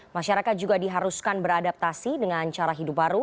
masyarakat juga diharuskan beradaptasi dengan cara hidup baru